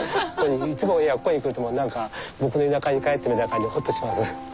いつもいやここに来ると何か僕の田舎に帰ったみたいな感じでほっとします。